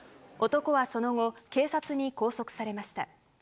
男はその後、警察に拘束されました。